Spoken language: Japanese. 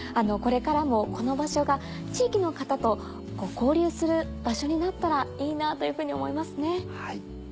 これからもこの場所が地域の方と交流する場所になったらいいなというふうに思いますね。